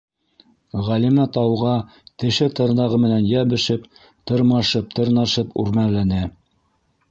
Ғәлимә тауға теше-тырнағы менән йәбешеп, тырмашып-тырнашып үрмәләне.